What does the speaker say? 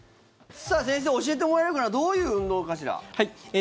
先生、教えてもらえるかなどういう運動かしら。